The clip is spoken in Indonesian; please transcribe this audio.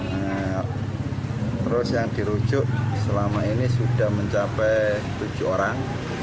terus yang dirujuk selama ini sudah mencapai tujuh orang